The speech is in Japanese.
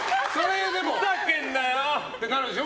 ふざけんなよ！ってなるでしょ？